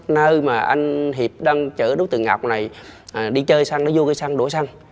nơi mà anh hiệp đang chở đối tượng ngọc này đi chơi xăng nó vô cây xăng đổ xăng